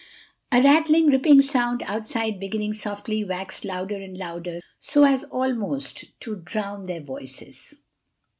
A rattling, ripping sound outside, beginning softly, waxed louder and louder so as almost to drown their voices.